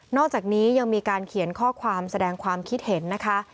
อกจากนี้ยังมีการเขียนข้อความแสดงความคิดเห็นนะคะ